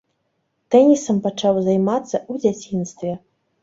Тэнісам пачаў займацца ў дзяцінстве.